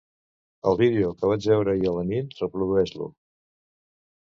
El vídeo que vaig veure ahir a la nit reprodueix-lo.